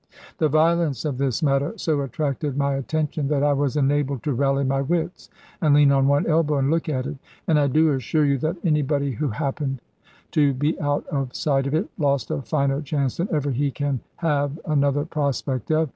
The violence of this matter so attracted my attention that I was enabled to rally my wits, and lean on one elbow and look at it. And I do assure you that anybody who happened to be out of sight of it, lost a finer chance than ever he can have another prospect of.